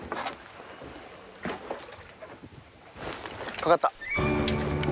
かかった！